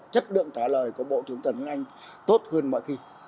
chất lượng trả lời của bộ trưởng trần tuấn anh tốt hơn mọi khi